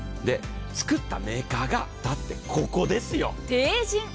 作ったメーカーがここですよ。